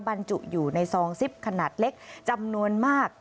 บรรจุอยู่ในซองซิปขนาดเล็กจำนวนมาก